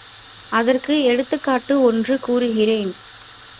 அதற்கு எடுத்துக்காட்டு ஒன்று கூறுகிறேன்.